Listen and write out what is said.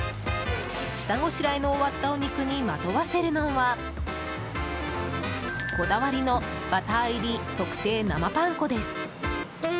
下ごしらえの終わったお肉にまとわせるのはこだわりのバター入り特製生パン粉です。